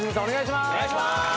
お願いします。